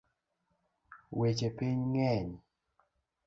Weche piny ng’eny